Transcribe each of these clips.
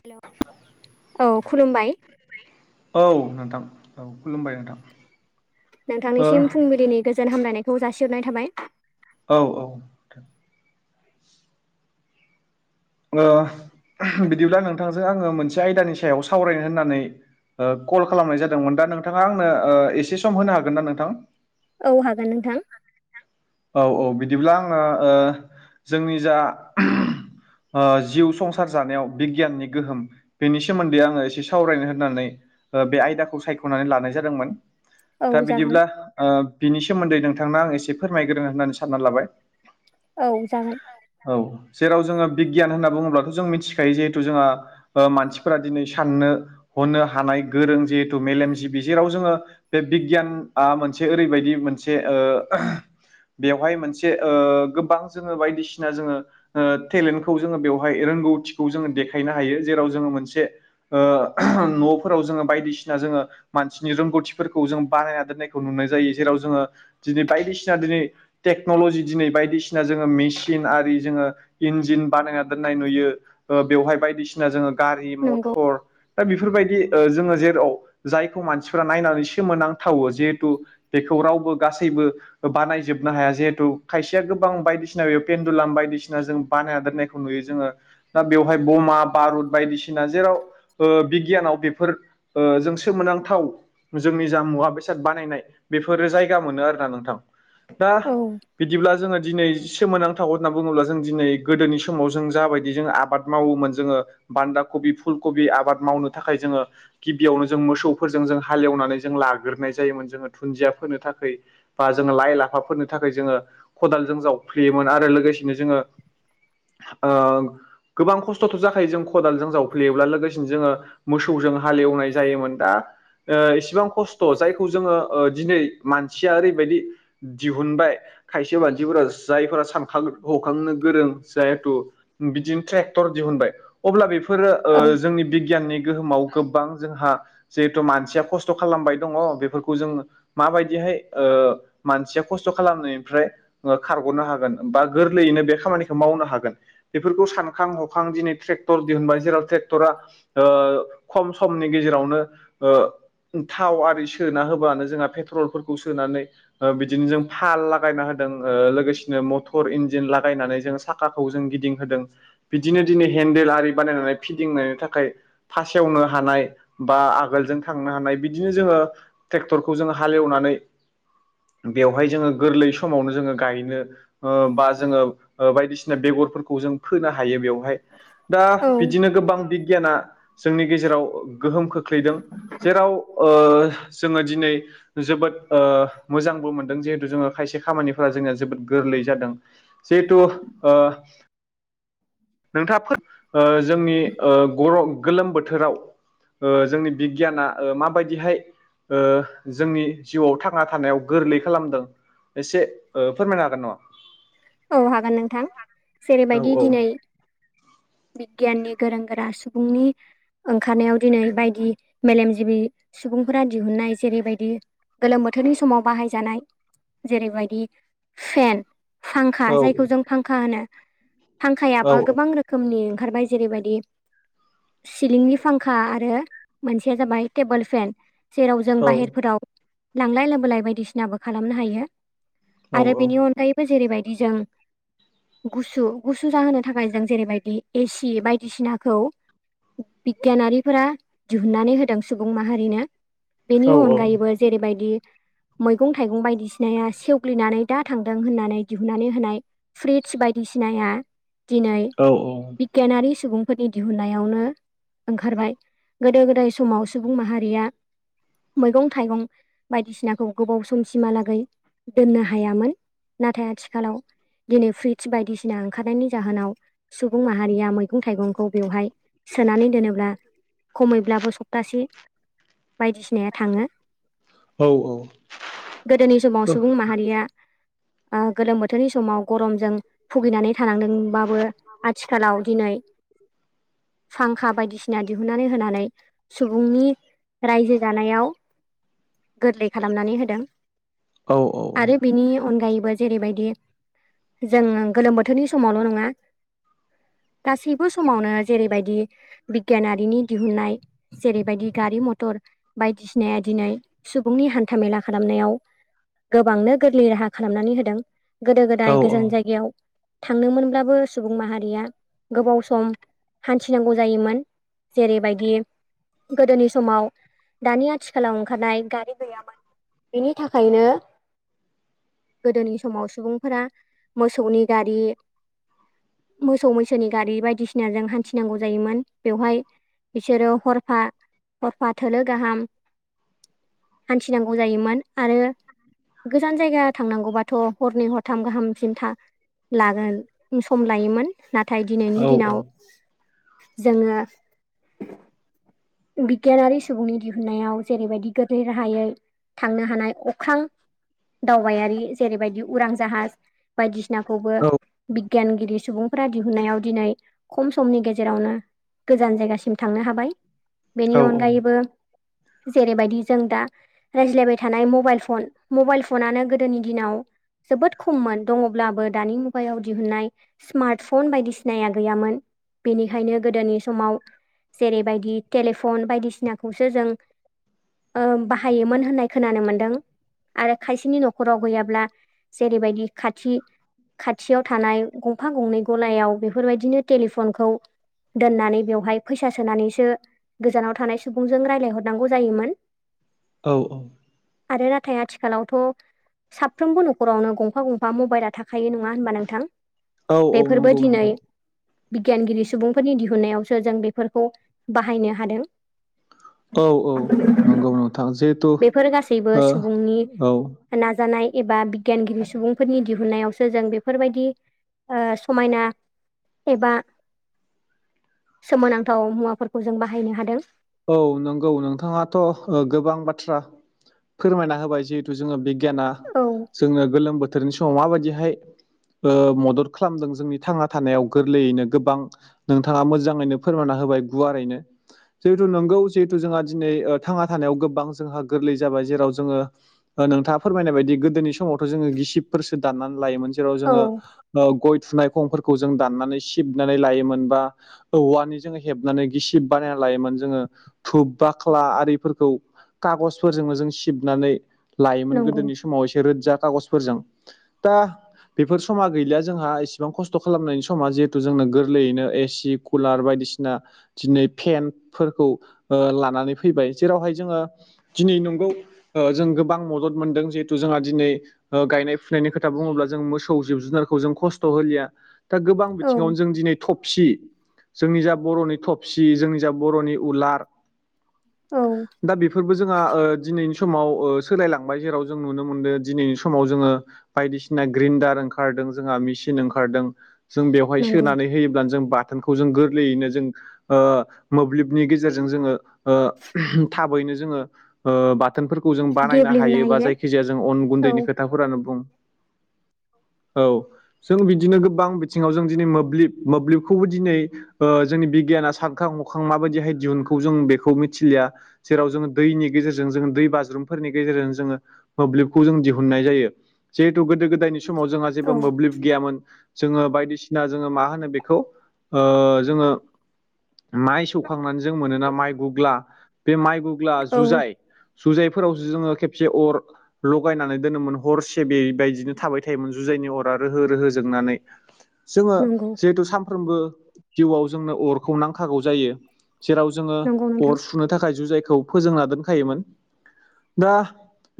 हेल' औ खुलुमबाय। औ नोंथां औ खुलुमबाय नोंथां। ओ नोंथांनिसिम फुंबिलिनि गोजोन हामलायनायखौ जासिहरनाय थाबाय। औ औ। बिदिब्ला नोंथांजों आङो मोनसे आयदानि सायाव सावरायनो होननानै। कल खालामनाय जादोंमोन दा नोंथाङा आंनो एसे सम होनो हागोन ना नोंथां? औ हागोन नोंथां। औ औ बिदिब्ला आङो ओ जोंनि जा जिउ संसार जानायाव बिगियाननि गोहोम बेनि सोमोन्दै आङो एसे सावरायनो होननानै बे आयदाखौ सायख'नानै लानाय जादोंमोन औ दा जागोन बिदिब्ला बिनि सोमोन्दै नोंथां आं एसे फोरमायग्रो होननानै सानना लाबाय औ जागोन औ जेराव जोङो बिगियान होनना बुङोब्लाथ' जों मिथिखायो जिहेथु जोंहा मानसिफोरा दिनै साननो हनो हानाय गोरों जिहेथु मेलेमजिबि जेराव जोङो बे बिगियान आ मोनसे ओरैबायदि मोनसे बेवहाय मोनसे गोबां जोङो बायदिसिना जोङोेले खौ जोङो बेवहाय रोंगौथिखौ जोङो देखायनो हायो जेराव जोङो मोनसे न'फोराव जोङो बायदिसिना जोङो मानसिनि रोंगौथिफोरखौ जों बानायना दोननायखौ नुनाय जायो जेराव जोङो दिनै बायदिसिना दिनै टेक्न'ल'जि दिनै बायदिसिना जोङो मेसिन आरि जोङो इन्जिन बानायना दोननाय नुयो बेवहाय बायदिसिना जोङो गारि नंगौ मथर दा बेफोरबायदि जोङो जेराव जायखौ मानसिफ नायनानै सेोमांथावो जिहेथु बेखौ रावबो गासैबो बानायजोबनो हाया जिहेथु खायसेया गोबां बायदिसिना बे पेेनन्दुलाम बायदिसिना जों बानाय दोननाय नुयै जोङो दा बेवहाय बमा भारुद बायदिसिना जेराव बिगियानाव बेफोर जों सोमोनांथाव जोंनि जा मुवा बेसाद बानायनाय बेफोरो जायगा मोनो आरोोना नोंथां दा औ बिदिब्ला जोङो दिनै सोमोनांथागौ होनना बुङोब्ला जों दिनै गोदोनि सम समाव जों जाबायदि जों आबाद मावोमोन जोङो बान्दा कबि फुल कबि आबाद मावनो थाखाय जोङो गिबियावनो जों मोसौफोरजों जों हालेवनानै जों लाग्रोनाय जायोमोन जोङो दुुनदिया फोनो थाखाय बा जोङो लाइ लाफाफोरनि थाखाय जोङो खदालजों जावफ्लेयोमोन आरो लोगोसेनो जोङो गोबां खस्थ'थ' जाखायो जों खदालजों जावफ्लेयोब्ला लोगोसेनो जोङो मोसौजों हालेवनाय जायोमोन दा इसेबां खस्थ' जायखौ जोङो दिनै मानसिया ओरैबायदि दिहुनबाय खायसे मानसिफोरा जायफोरा सानखां हखांनो गोरों जु बिदिनो ट्रेक्टर दिहुनबाय अब्ला बेफोरो औ जोंनि बिगियाननि गोहोमाव गोबां जोंहा जिहेथु मानसिया खस्थ' खालामबाय दङ बेफोरखौ जों माबायदिहाय मानसिया खस्थ' खालामनायनिफ्राय खारग'नो हागोन बा गोरलैयैनो बे खामानिखौ मावनो हागोन बेफोरखौ सानखां हखां दिनै ट्रेक्टर दिहुनबाय जेराव ट्रेक्टरा खम समनि गेजेरावनो थाव आरि सोना होबानो जोंहा पेट्रलफोरखौ सोनानै बिदिनो जों फाल लागायना होदों लोगोसेनो मटर इन्जिन लागायनानै जों साखाखौ जों गिदिंहोदों बिदिनो दिनै हेन्देल आरि बानायनानै फिदिंनायनि थाखाय फासेवनो हानाय बा आगोलजों थांनो हानाय बिदिनो जोङो ट्रेक्टरखौ जोङो हालेवनानै बेवहाय जोङो गोरलै समावनो जोङो गायनो बा जोङो बायदिसिना बेगरफोरखौ जों फोनो हायो बेयाव बेाय दा औ बिदिनो गोबां बिगियाना जोंनि गेजेराव गोहोम खोख्लैदों जेराव जोङो दिनै जोबोद मोजांबो मोनदों जिहेथु जोङो खायसे खामानिफोरा जोंनिया जोबोद गोरलै जादों जिथु आ नोंथाङा जोंनि ग' गोलोम बोथोराव जोंनि बिगियाना माबायदिहाय जोंनि जिउआव थांना थानायाव गोरलै खालामदों एसे ओ फोरमायनो हागोन नङा? औ हागोन नोंथां औ जेरैबायदि दिनै बिगियाननि गोरों गोरा सुबुंनि ओंखारनायाव दिनै बायदि मेलेमजिबि सुबुंफोरा दिहुननाय जेरैबायदि गोलोम बोथोरनि समाव बाहायजानाय जेरैबायदि फेन फांखा औ जायखौ जों फांखा होनो औ फांखायाबो गोबां रोखोम खोमनि ओंखारबाय जेरैबायदि सिलिंनि फांखा आरो मोनसेया जाबाय टेबोल फेन जेराव जों औ बाहेरफोराव लांलाय लाबोलाय बायदिसिनाबो खालामनो हायो। आरो बेनि अनगायैबो जेरैबायदि जों गुसु गुसु जाहोनो थाखाय जों जेरैबायदि एसि बायदिसिनाखौ बिगियानारिफोरा दिहुननानै होदों सुबुं माहारिनो। बेनि औ अनगायैबो जेरैबायदि मैगं- थाइगं बायदिसिनाया सेवग्लिनानै दा थांदों होननानै दिहुननानै होनाय फ्रीदस बायदिसिनाया दिनै औ बिगियानारि सुबुंफोरनि दिहुनन्नायावनो ओंखारबाय गोदो-गोदाय समाव सुबुं माहारिया मैगं-थाइगं बायदिसिनाखौ गोबाव समसिमहालागै दोननो हायामोन। नाथाय आथिखालाव दिनै फ्रिज बायदिसिना ओंखारनायनि जाहोनाव सुबुं माहारिया मैगं-थाइगंखौ बेवहाय सोनानै दोनोब्ला खमैब्लाबो सप्तासे बायदिसिनाया थाङो। गोदोनि समाव सुबुं माहारिया ओ गोलोम बोथोरनि समाव गरमजों भुगिनानै थानांदोंबाबो आथिखालाव दिनै फांखा बायदिसिना दिहुननानै होनानै सुबुंनि रायजो जानायाव गोरलै खालामनानै होदों आरो बिनि अनगायैबो जेरैबायदि जों गोलोम बोथोरनि समावल' नङा। गासैबो समावनो जेरैबायदि बिगियानारिनि दिहुनन्नाय जेरैबायदि गारि-मथर बायदिसिनाया दिनै सुबुंनि हान्थामेला खालामनायाव गोबांनो गोरलै राहा खालामनानै होदों गोदो-गोदाय गोजान जायगायाव थांनोमोनब्लाबो सुबुं माहारिया गोबाव सम हान्थिनांगौ जायोमोन। जेरैबायदि गोदोनि समाव दानि आथिखालाव ओंखारनाय गारि गैयामोन। बेनि थाखायनो गोदोनि समाव सुबुंफोरा मोसौनि गारि मोसौ-मैसोनि गारि बायदिसिनाजों हान्थिनांगौ जायोमोन बेवहाय बिसोरो हरफा-हरफा थोलो गाहाम हान्थिनांगौ जायोमोन आरो गोजान जायगा थांनांगौबाथ' हरनै हरथाम गाहामसिम था लागोन सम लायोमोन। नाथाय दिनैनि दिनाव जोङो बिगियानारि सुबुंनि दिहुनन्नायाव जेरैबायदि गोरलै राहायै थांनो हानाय अख्रां बायारि जेरैबायदि उरां जाहाज बायदिसिनाखौबो बिगियानगिरि सुबुंफोरा दिहुननायाव दिनै खम समनि गेजेरावनो गोजान जायगासिम थांनो हाबाय। बेनि अनगायैबो जेरैबायदि जों दा रायज्लायबाय थानाय मबाइल फन मबाइल फनानो गोदोनि दिनाव जोबोद खममोन दङ'ब्लाबो दानि मुगायाव दिहुननाय स्मार्टफन बायदिसिनाया गैयामोन बेनिखायनो गोदोनि समाव जेरैबायदि टेलिफन बायदिसिनाखौसो जों ओ बाहायोमोन होननाय खोनानो मोनदों आरो खायसेनि न'खर नखराव गैयाब्ला जेरैबायदि खाथि खाथियाव थानाय गंफा गंनै गलायाव बेफोरबायदिनो टेलिफनखौ दोननानै बेवहाय फैसा सोनानैसो गोजानाव थानाय सुबुंजों रायलायहरनांगौ जायोमोन। औ औ। आरो नाथाय आथिखालावथ' साफ्रोमबो नखरावनो गंफा गंफा मबाइला थाखायो नङा होनबा नोंथां? बेफोरबो नंगौ दिनै नोंथां बिगियानगिरि सुबुंफोरनि दिहुननायावसो जों बेफोरखौ बाहायनो हादों। औ औ नंगौ नोंथां नोंथां जे बेफोर गासैबो सुबुंनि नाजानाय एबा बिगियानगिरि सुबुंफोरनि दिहुनायावसो जों बेफोरबायदि ओ समायना एबा सोमोनांथाव मुवाफोरखौ जों बाहायनो हादों। औ नंगौ नोंथाङाथ' ओ गोबां बाथ्रा फोरमायना होबाय जिहेतु जोङो बिगियाना औ। जोंङो गोलोम बोथोरनि समाव माबायदिहाय ओ मदद खालामदों जोंनि थांना थानायाव गोरलैयैनो गोबां नोंथाङा मोजाङैनो फोरमानना होबाय गुवारैनो। जिहेतु नोंगौ जिहेथु जोङा दिनै थांना थानायाव गोबां जोंहा गोरलै जाबाय जेराव जोङो ओ नोंथाङा फोरमायनाय बायदि गोदोनि समावथ' जोङो गिसिबफोरसो दाननानै लायोमोन। जेराव औ जोङो ओ गय थुनाय खंफोरखौ जों दानानै सिबनानै लोयोमोन बा औवानि जों हेबनानै गिसिब बानायना लायोमोन जोङो धुब बाक्ला आरिफोरखौ खागजफोरजोंनो जों सिबनानै लायोमोन नंगौ गोदोनि समाव एसे रोदजा खागजफोरजों दा बेफोर समा गैलिया जोंहा इसेबां खस्थ' खालामनायनि समा जिहेथु जोंनो गोरलैयैनो एसि कुलार बायदिसिना दिनै फेनफोरखौ लानानै फैबाय जेरावहाय जोङो दिनै नंगौ ओ जों गोबां मदद मोनदों जिहेथु जोंहा दिनै ओ गायनाय फुनायनि खोथा बुङोब्ला जों मोसौ जिब जुनारखौ जों खस्थ' होलिया। दा गोबां औ बिथिङावनो जों दिनै थबसि जोंनि जा बर'नि थब सि जोंनि जा बर'नि उलार औ दा बेफोरबो जोङा ओ दिनैनि समाव ओ सोलायलांबाय जेराव जों नुनो मोनदो दिनैनि समाव जोङो बायदिसिना ग्रिनडार ओंखारदों जोंहा मिचिन ओंखारदों। जों बेवहाय नंगौ सोनानै होयोब्लानो जों बाथोनखौ जों गोरलैयैनो जों ओ मोब्लिबनि गेजेरजों जोङो ओ थाबैनो जोङो ओ बा थोनफोरखौ जों बानायनो हायो बा जायखि जाया जों अन औ गुन्दैनि खोथाफोरानो बुं। औ। जों बिदिनो गोबां बिथिङाव जों दिनै मोब्लिब मोब्लिबखौबो दिनै ओ जोंनि बिगियाना साबखां हखां माबायदिहाय दिहुनखौ जों बेखौ मिथिलिया। जेराव जोङो दैनि गेजेरजों जोङो दै बाज्रुमफोरनि गेजेरजों जोङो मोब्लिबखौ जों दिहुननाय जायो जिहेथु गोदो गोदायनि समाव जोंहा जेबो औ मोब्लिब गैयामोन जोङो बायदिसिना जोङो मा होनो बेखौ ओ जोङो माइ सौखांनानै जों मोनोना माइ गुग्ला बे माइ गुग्ला औ जुजाय सुजाइफोरावसो जोङो खेबसे अर लगायनानै दोनोमोन हरसे बेबायदिनो थाबाय थायोमोन जुजायनि अरा रोहो रोहो जोंनानै। [inaudible] जोङो नंगौ जिहेतु सामफ्रोमबो जिउआव जोंनो अरखौ नांखागौ जायो। जेराव जोङो नंगौ नोंथां अर सुनो थाखाय जुजायखौ फोजोंना दोनखायोमोन दा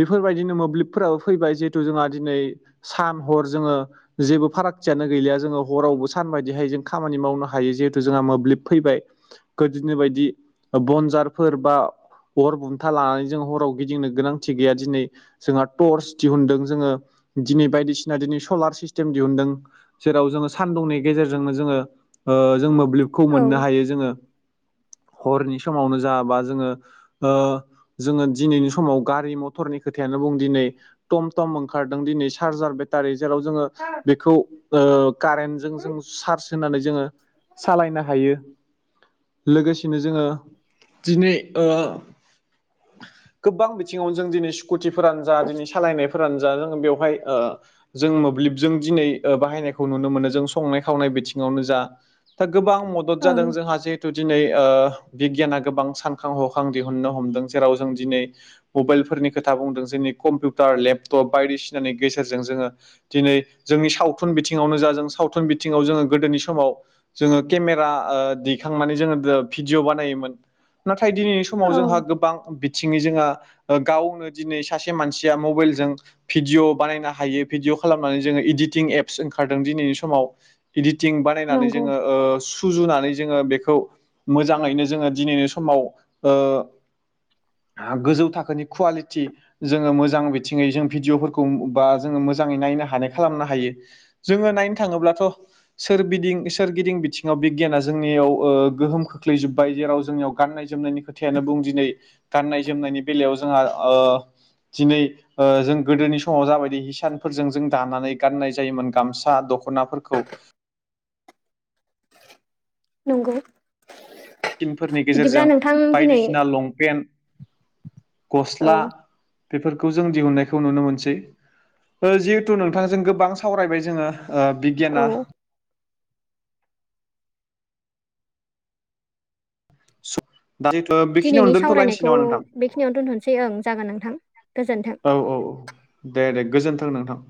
बेफोरबायदिनो मोब्लिबफोराबो फैबाय जिहेथु जोंहा दिनै सान हर जोङो जेबो फारागथियानो गैलिया जोङो हरावबो सान बाददिहाय जों खामानि मावनो हायो जिहेथु जोंहा मोब्लिब फैबाय गोदोनि बायदि बनजारफोर बा अर बुन्था लानानै जों हराव गिदिंनो गोनांथि गैया दिनै। जोंहा टर्स दिहुनदों जोङो दिनै बायदिसिना दिनै सलार सिस्टेम दिहुनदों। जेराव जोङो सानदुंनि गेजेरजोंनो जोङो जों मोब्लिब खौ औ मोननो हायो जोङो हरनि समावनो जाबा जोङो जोङो दिनैनि समाव गारि मथरनि खोथायानो बुं दिनै टम टम ओंखारदों दिनै चार्जार बे र जेराव जोङो बेखौ ओ कारेन्टजों जों सार्ज होनानै जोङो सालायना लोगोसेनो जोङो दिनै [unintelligible] गोबां बिथिङावनो जों दिनै स्कुटिफोरानो जा दिनै सालायनायफोरानो जा जोङो बेवहाय जों मोब्लिबजों दिनै बाहायनायखौ नुनो मोनो जों संनाय खावनाय बिथिङावनो जा दा गोबां मदद ओं जादों जोंहा जिहेथु दिनै बिगियाना गोबां सानखां हखां दिहुननो हमदों जेराव जों दिनै मबाइलफोरनि खोथा बुंदों जोंनि कम्पिउटार लेपटप बायदिसिनानि गेजेरजों जोङो दिनै जोंनि सावथुन बिथिङावनो जा जों सावथुन बिथिङाव जोङो गोदोनि समाव जोङो केमेरा दैखांनानै जोङो भिडिअ बानायोमोन नाथाय दिनैनि औ समाव जोंहा गोबां थिंनि जोंहा गावनो दिनै सासे मानसिया मबाइलजों भिडिअ' बानायनो हायो भिडिअ खालामनानै जोङो इडिटिं एप्स ओंखारदों दिनैनि समाव इदिटिं बानायनानै नंगौ जोङो सुजुनानै जोङो बेखौ मोजाङैनो जोङो दिनैनि समाव गोजौ थाखोनि कुवालिटि जोङो मोजां बिथिङै जों भिडिअफोरखौ बा जोङो मोजाङै नायनो हानाय खालामनो हायो। जोङो नायनो थाङोब्लाथ' सोरगदिं सोरगिदिं बिथिं सिङाव बिगियाना जोंनियाव गोहोम खोख्लैजोब्बाय जेराव जोंनियाव गाननाय जोमनायनि खोथायानो बुं दिनै गाननाय जोमनायनि बेलायाव जोंहा दिनै जों गोदोनि समाव जाबायदि हिसानफोरजों जों दानानै गाननाय जायोमोन गामसा दख'नाफोरखौ नंगौ? थटिनफोरनि बिदिब्ला गेजेरजों नोंथां दिनै बायदिसिना लंपेन्ट औ गस्ला बेफोरखौ जों दिहुननायखौ नुनो मोनसै जिहेथु नोंथांजों गोबां सावरायबाय जोङो औ बिगियाना स दा जिथु बेखिनि दिनैनि अ दोनथ'लायनोसै सावरायनायखौ नामा नोंथां बेखिनियावनो दोनथ'नोसै ओं जागोन नोंथां गोजोन्थों औ औ औ। दे दे गोजोन्थों नोंथां।